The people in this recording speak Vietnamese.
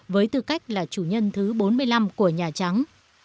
với tư cách là chủ nhân thứ bốn mươi năm của nhà trắng